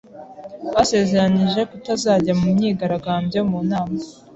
Basezeranije kutazajya mu myigaragambyo mu nama.